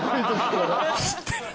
知ってる。